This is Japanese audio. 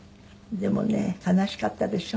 でもね悲しかったでしょうね。